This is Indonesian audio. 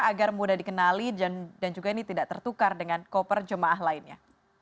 agar mudah dikenali dan juga ini tidak tertukar dengan koper jemaah lainnya